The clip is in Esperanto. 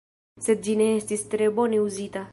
Sed ĝi ne estis tre bone uzita.